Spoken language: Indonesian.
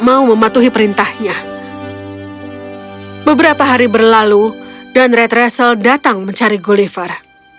mau mematuhi perintahnya beberapa hari berlalu dan red rassel datang mencari gulliver